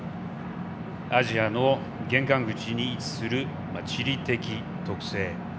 アジアの玄関口に位置する地理的特性。